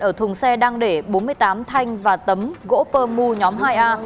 ở thùng xe đang để bốn mươi tám thanh và tấm gỗ pơ mu nhóm hai a